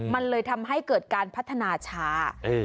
มันเลยทำให้เกิดการพัฒนาช้า